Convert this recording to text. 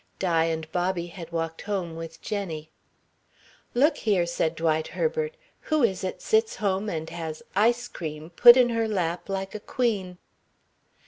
Di and Bobby had walked home with Jenny. "Look here," said Dwight Herbert, "who is it sits home and has ice cream put in her lap, like a queen?"